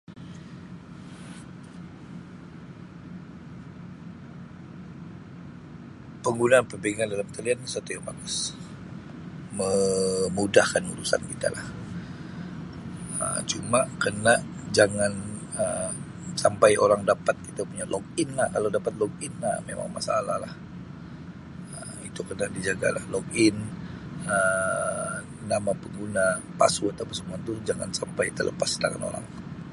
Penggunaan perbankan dalam talian sesuatu yang bagus me-mudahkan urusan kitalah Um cuma kena jangan Um sampai orang dapat kita punya login lah Um kalau dapat login Um memang masalahlah. Um Itu kena dijaga lah login Um nama pengguna, password apa semua tu jangan sampai telepas ke tangan orang.